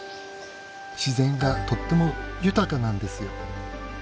自然がとっても豊かなんですよ。